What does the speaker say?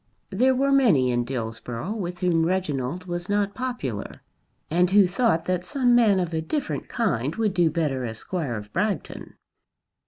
There were many in Dillsborough with whom Reginald was not popular; and who thought that some man of a different kind would do better as Squire of Bragton.